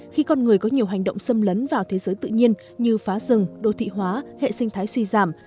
khi con người có nhiều hành động xâm lấn vào thế giới tự nhiên như phá rừng đô thị hóa hệ sinh thái suy giảm